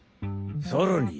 さらに！